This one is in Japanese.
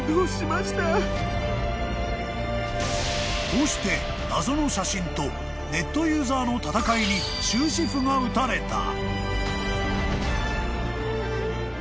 ［こうして謎の写真とネットユーザーの戦いに終止符が打たれた］